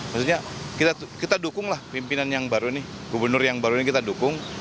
maksudnya kita dukunglah pimpinan yang baru ini gubernur yang baru ini kita dukung